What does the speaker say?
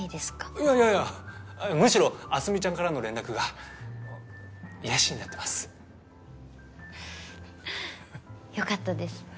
いやいやいやむしろ明日美ちゃんからの連絡が癒やしになってますよかったです